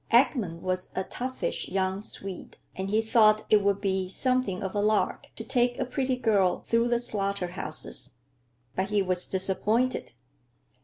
Eckman was a toughish young Swede, and he thought it would be something of a lark to take a pretty girl through the slaughter houses. But he was disappointed.